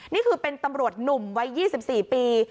นี่คือเป็นตำรวจหนุ่มวัย๒๔ปี